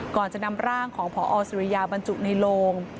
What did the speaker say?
ก่อนจะนำร่างของพอสุริยาบรรจุในโลง